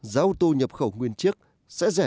giá ô tô nhập khẩu nguyên chiếc sẽ rẻ